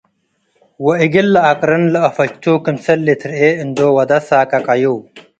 ወእግል ለአቅርን ለአፈችቱ ክምሰል ልትርኤ እንዶ ወደ ሳቀቀዩ።